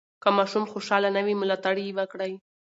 که ماشوم خوشحاله نه وي، ملاتړ یې وکړئ.